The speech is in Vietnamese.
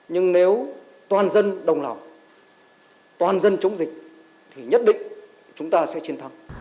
nhưng nếu toàn dân đồng lòng toàn dân chống dịch thì nhất định chúng ta sẽ chiến thắng